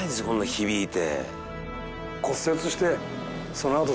響いて」